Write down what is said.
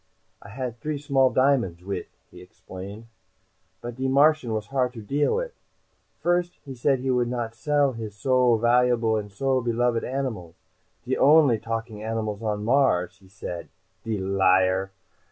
I had three small diamonds with," he explained. "But de Martian was hard to deal wit'. First, he said he vould not sell his so valuable and so beloved animals. De only talking animals on Mars, he said de liar!